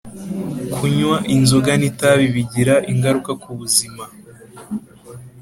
kunywa inzoga ni tabi bigira ingaruka ku ubuzima